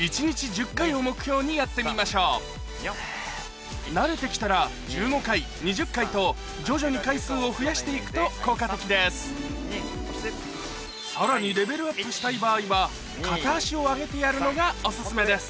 を目標にやってみましょう慣れて来たら１５回２０回と徐々に回数を増やして行くと効果的ですさらにレベルアップしたい場合は片足を上げてやるのがお薦めです